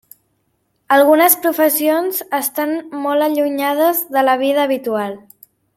Algunes professions estan molt allunyades de la vida habitual.